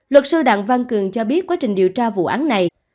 luật sư đặng văn cường cho biết quá trình điều tra vụ án này